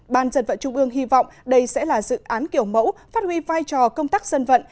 ban dân vận trung ương hy vọng đây sẽ là dự án kiểu mẫu phát huy vai trò công tác dân vận